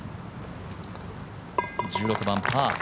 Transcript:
１６番、パー。